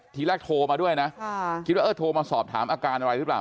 ทีแรกโทรมาด้วยนะคิดว่าเออโทรมาสอบถามอาการอะไรหรือเปล่า